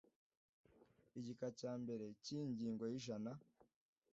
igika cya mbere cy iyi ngingo yijana